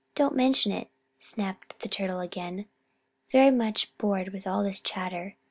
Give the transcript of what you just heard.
_] "Don't mention it!" snapped the Tortoise again, very much bored by all this chatter.